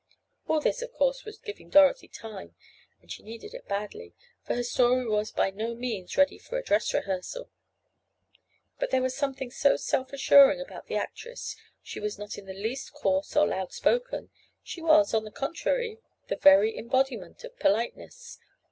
All this, of course, was giving Dorothy time—and she needed it badly, for her story was by no means ready for a "dress rehearsal." But there was something so self assuring about the actress—she was not in the least coarse or loud spoken—she was, on the contrary, the very embodiment of politeness.